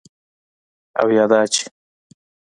او یا دا چې: